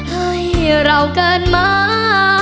ให้เราเกิดมา